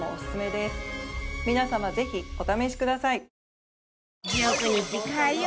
皆様ぜひお試しください。